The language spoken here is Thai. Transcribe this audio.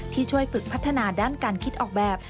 ที่ช่วยฝึกพัฒนาด้านการคิดออกแบบ